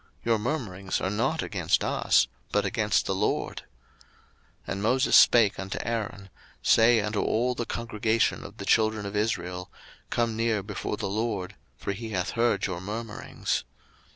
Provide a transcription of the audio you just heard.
your murmurings are not against us, but against the LORD. 02:016:009 And Moses spake unto Aaron, Say unto all the congregation of the children of Israel, Come near before the LORD: for he hath heard your murmurings.